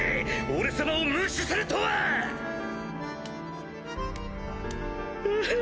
俺様を無視するフフ！